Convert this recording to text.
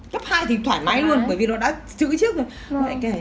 lớp hai thì thoải mái luôn bởi vì nó đã chữ trước rồi